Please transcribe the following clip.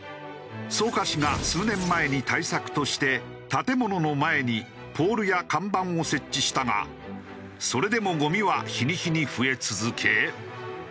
草加市が数年前に対策として建物の前にポールや看板を設置したがそれでもゴミは日に日に増え続け。